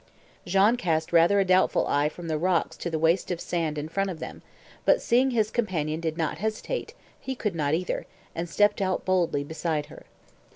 Jean cast rather a doubtful eye from the rocks to the waste of sand in front of them, but, seeing his companion did not hesitate, he could not either, and stepped out boldly beside her.